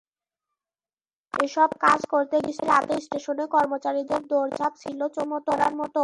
এসব কাজ করতে গিয়ে রাতে স্টেশনে কর্মচারীদের দৌড়ঝাঁপ ছিল চোখে পড়ার মতো।